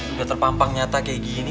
udah terpampang nyata kayak gini